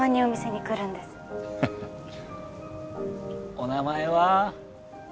お名前は？